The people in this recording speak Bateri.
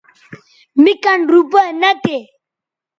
مے کن روپے نہ تھے